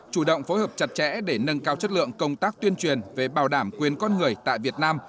chủ động phối hợp chặt chẽ để nâng cao chất lượng công tác tuyên truyền về bảo đảm quyền con người tại việt nam